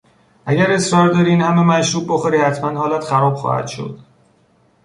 اگر اصرار داری این همهمشروب بخوری حتما حالت خراب خواهد شد.